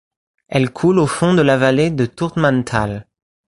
Elle coule au fond de la vallée de Turtmanntal.